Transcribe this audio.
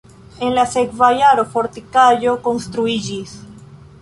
En la sekva jaro fortikaĵo konstruiĝis.